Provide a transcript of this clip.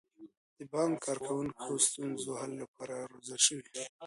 د بانک کارکوونکي د ستونزو د حل لپاره روزل شوي.